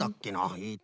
えっと。